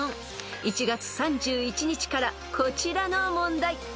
［１月３１日からこちらの問題］